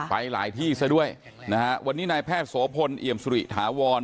ไปหลายที่ซะด้วยนะฮะวันนี้นายแพทย์โสพลเอี่ยมสุริถาวร